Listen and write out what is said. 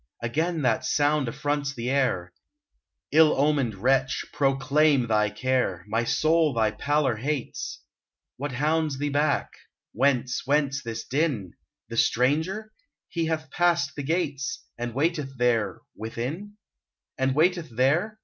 Again that sound affronts the air ! Ill omened wretch, proclaim thy care — My soul thy pallor hates ! What hounds thee back ? Whence, whence this din? The stranger ? He hath passed the gates — And waiteth there — within ? io6 UNBIDDEN And waiteth there